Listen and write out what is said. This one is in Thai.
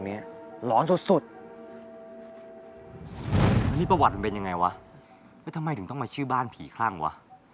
อันนี้ประวัติมันเป็นยังไงวะแล้วทำไมถึงต้องมาชื่อบ้านผีคลั่งวะ